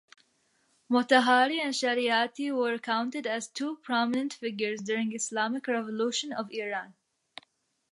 Motahari and Shariati were counted as two prominent figures during Islamic revolution of Iran.